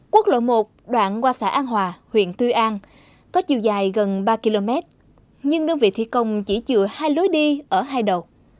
quốc lộ một đoạn qua xã an hòa huyện tuy an có chiều dài gần ba km nhưng đơn vị thi công chỉ chừa hai lối đi ở hai đầu